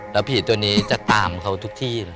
แล้วผีตัวนี้จะตามเขาทุกที่เลย